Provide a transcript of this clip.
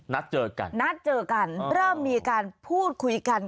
นัดเจอกันนัดเจอกันเริ่มมีการพูดคุยกัน